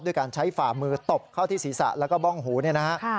ด้วยการใช้ฝ่ามือตบเข้าที่ศีรษะแล้วก็บ้องหูเนี่ยนะฮะ